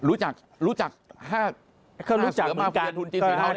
รู้จัก๕เสือมาเผยทุนจีนสีเทาหรือเปล่า